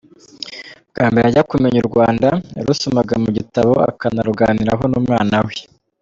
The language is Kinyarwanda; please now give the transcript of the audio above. Bwa mbere ajya kumenya u Rwanda, yarusomaga mu gitabo akanaruganiraho n’umwana we.